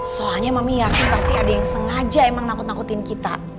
soalnya memi yakin pasti ada yang sengaja emang nakut nakutin kita